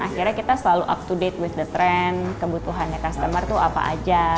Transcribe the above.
akhirnya kita selalu up to date with the trend kebutuhannya customer tuh apa aja